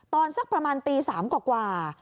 สักประมาณตี๓กว่า